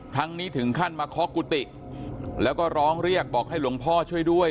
ครั้งนี้ถึงขั้นมาเคาะกุฏิแล้วก็ร้องเรียกบอกให้หลวงพ่อช่วยด้วย